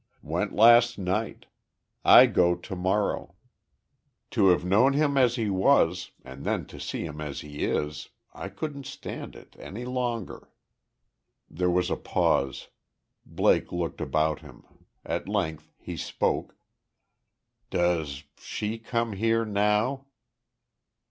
"Went last night. I go to morrow.... To have known him as he was and then to see him as he is I couldn't stand it any longer." There was a pause. Blake looked about him. At length he spoke: "Does she come here, now?"